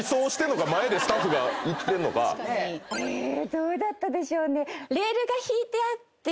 どうだったでしょうね。